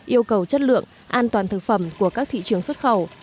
yêu cầu chất lượng an toàn thực phẩm của các thị trường xuất khẩu